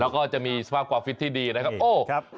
ก็จะมีสภาพกวาลฟิตที่ดีนะครับ